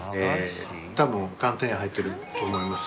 多分寒天入ってると思います。